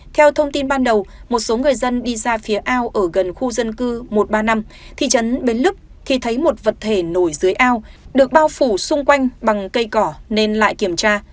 theo thông tin ban đầu một số người dân đi ra phía ao ở gần khu dân cư một trăm ba mươi năm thị trấn bến lức thì thấy một vật thể nổi dưới ao được bao phủ xung quanh bằng cây cỏ nên lại kiểm tra